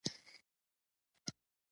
د راډیو اعلانونه خلک راجلبوي.